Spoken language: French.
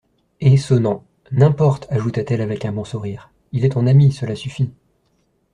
Et sonnant : N'importe, ajouta-t-elle avec un bon sourire ; il est ton ami, cela suffit.